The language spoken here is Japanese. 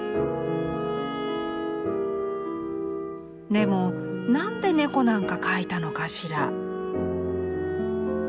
「でもなんで猫なんか描いたのかしら」。